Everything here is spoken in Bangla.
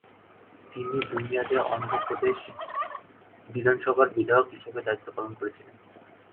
তিনি দুই মেয়াদে অন্ধ্র প্রদেশ বিধানসভার বিধায়ক হিসেবে দায়িত্ব পালন করেছিলেন।